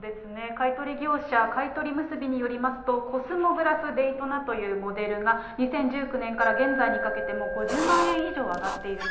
買い取り業者、買取むすびによりますと、コスモグラフデイトナというモデルが２０１９年から現在にかけて５０万円以上上がっていると。